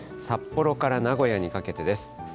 札幌から名古屋にかけてです。